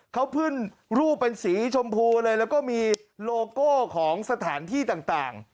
เขาขึ้นรูปเป็นสีชมพูเลยแล้วก็มีโลโก้ของสถานที่ต่าง